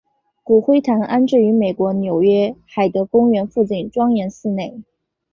骨灰坛安置于美国纽约海德公园附近庄严寺内。